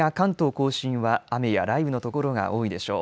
甲信は雨や雷雨の所が多いでしょう。